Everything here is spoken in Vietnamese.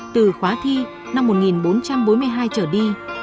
từ khóa thi năm một nghìn bốn trăm bốn mươi hai trở đi